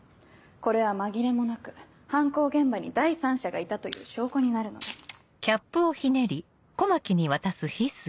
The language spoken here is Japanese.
これは紛れもなく犯行現場に第三者がいたという証拠になるのです。